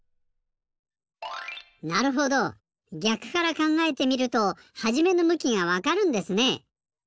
なるほどぎゃくからかんがえてみるとはじめの向きがわかるんですね。